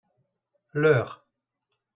leur.